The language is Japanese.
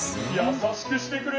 優しくしてくれ！